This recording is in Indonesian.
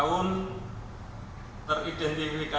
sudah ada korespondensi ann indonesia arman helmi